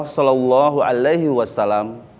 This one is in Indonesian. salallahu alaihi wassalam